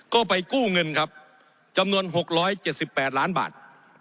ก็ไปกู้เงินครับจำนวนหกร้อยเจ็ดสิบแปดล้านบาท